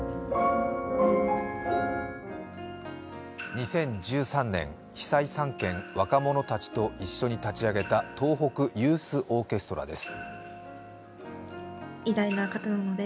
２０１３年、被災３県若者たちと一緒に立ち上げた東北ユースオーケストラです。